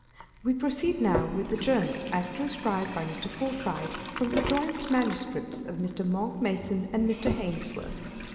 We proceed now with the journal, as transcribed by Mr. Forsyth from the joint MSS. of Mr. Monck Mason, and Mr. Ainsworth.